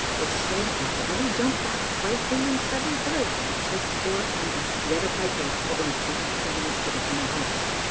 It's said a' body jumped back frae him in a sudden dread, except poor Angus, the other piper, wha was busy tuning up for *The Bonny House.'